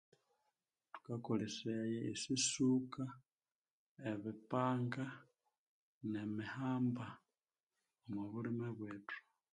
Thukakolesaya esisuka ebi panga nemihamba omubulime bwethu